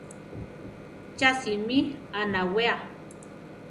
¿Cha simí anawea!